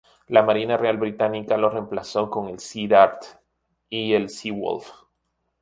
La Marina Real británica lo reemplazó con el Sea Dart y el Sea Wolf.